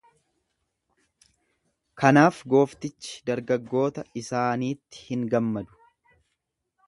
Kanaaf gooftichi dargaggoota isaaniitti hin gammadu.